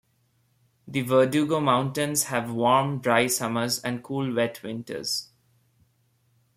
The Verdugo Mountains have warm, dry summers and cool wet winters.